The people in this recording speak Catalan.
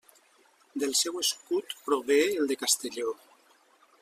Del seu escut prové el de Castelló.